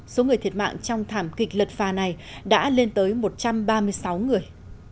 số người thiệt mạng trong thảm kịch lật phà này đã lên tới một trăm ba mươi sáu người